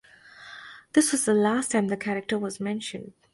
This was the last time the character was mentioned.